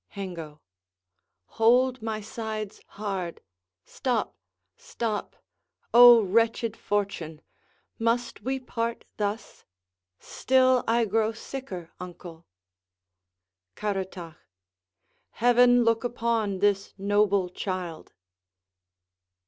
Hengo Hold my sides hard; stop, stop; oh, wretched fortune, Must we part thus? Still I grow sicker, uncle. Caratach Heaven look upon this noble child!